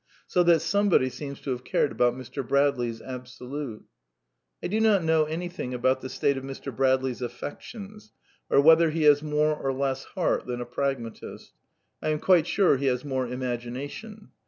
So that some ' body seems to have cared about Mr. Bradley's Absolute. I do not know anything about the state of Mr. Bradley's affections, or whether he has more or less " heart " than a pragmatist ; I am quite sure he has more imagination.